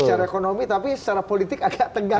secara ekonomi tapi secara politik agak tegang